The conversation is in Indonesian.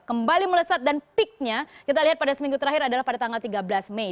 kembali melesat dan peaknya kita lihat pada seminggu terakhir adalah pada tanggal tiga belas mei